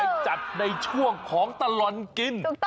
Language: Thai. ต้องไปจัดในช่วงของตลอดกิน